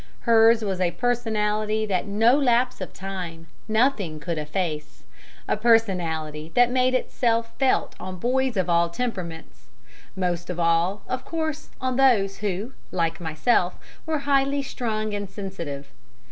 Hers was a personality that no lapse of time, nothing could efface; a personality that made itself felt on boys of all temperaments, most of all, of course, on those who like myself were highly strung and sensitive.